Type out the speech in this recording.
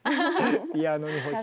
ピアノに欲しい。